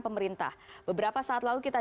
pemerintah beberapa saat lalu kita